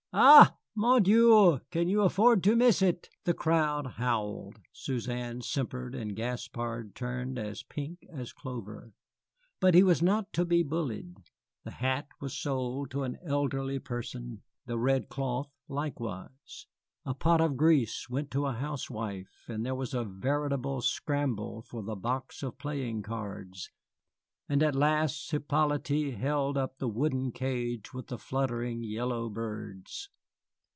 Ah, mon Dieu, can you afford to miss it?" The crowd howled, Suzanne simpered, and Gaspard turned as pink as clover. But he was not to be bullied. The hat was sold to an elderly person, the red cloth likewise; a pot of grease went to a housewife, and there was a veritable scramble for the box of playing cards; and at last Hippolyte held up the wooden cage with the fluttering yellow birds.